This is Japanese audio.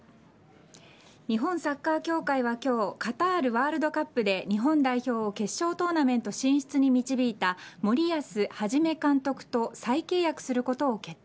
日本サッカー協会は今日カタールワールドカップで日本代表を決勝トーナメント進出に導いた森保一監督と再契約することを決定。